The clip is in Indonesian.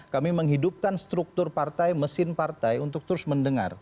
kami menghidupkan struktur partai mesin partai untuk terus mendengar